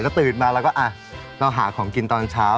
ก็ตื่นมาเราก็เราหาของกินตอนเช้า